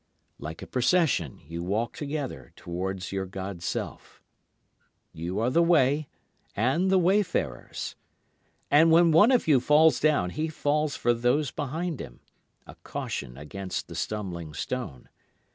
Like a procession you walk together towards your god self. [Illustration: 0064] You are the way and the wayfarers. And when one of you falls down he falls for those behind him, a caution against the stumbling stone.